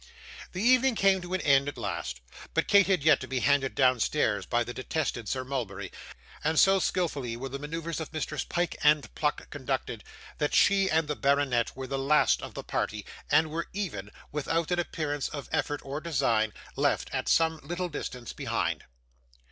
The evening came to an end at last, but Kate had yet to be handed downstairs by the detested Sir Mulberry; and so skilfully were the manoeuvres of Messrs Pyke and Pluck conducted, that she and the baronet were the last of the party, and were even without an appearance of effort or design left at some little distance behind.